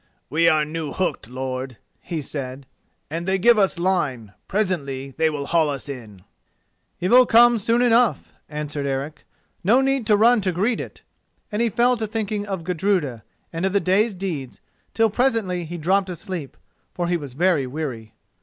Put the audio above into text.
"We are new hooked, lord," he said, "and they give us line. Presently they will haul us in." "Evil comes soon enough," answered Eric, "no need to run to greet it," and he fell to thinking of Gudruda, and of the day's deeds, till presently he dropped asleep, for he was very weary.